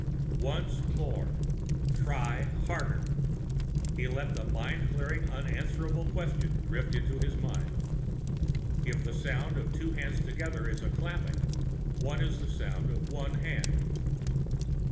Once more! Try harder! He let the mind clearing unanswerable question drift into his mind: _If the sound of two hands together is a clapping, what is the sound of one hand?